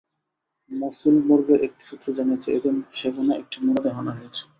মসুল মর্গের একটি সূত্র জানিয়েছে, এদিন সেখানে একটি মরদেহ আনা হয়েছে।